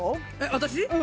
私？